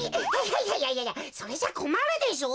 いやいやそれじゃこまるでしょ？